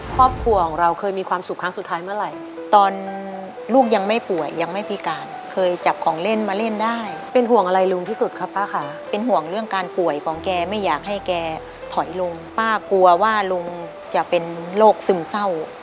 ครอบครัวของเราเคยมีความสุขครั้งสุดท้ายเมื่อไหร่ตอนลูกยังไม่ป่วยยังไม่พิการเคยจับของเล่นมาเล่นได้เป็นห่วงอะไรลุงที่สุดครับป้าค่ะเป็นห่วงเรื่องการป่วยของแกไม่อยากให้แกถอยลงป้ากลัวว่าลุงจะเป็นโรคซึมเศร้า